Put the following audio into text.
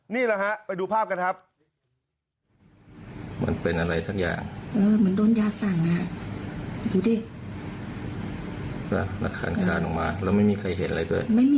นี่แหละครับ